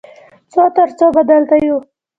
څو تر څو به دلته یو؟